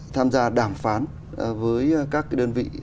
tham gia đàm phán với các cái đơn vị